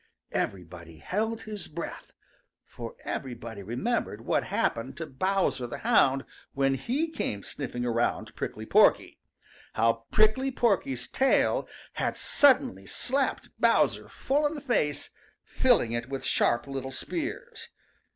Everybody held his breath, for everybody remembered what had happened to Bowser the Hound when he came sniffing around Prickly Porky, how Prickly Porky's tail had suddenly slapped Bowser full in the face, filling it with sharp little spears.